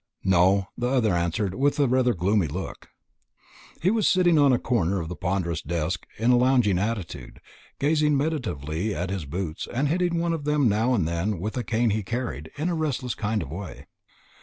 "No," the other answered, with rather a gloomy look. He was sitting on a corner of the ponderous desk in a lounging attitude, gazing meditatively at his boots, and hitting one of them now and then with a cane he carried, in a restless kind of way.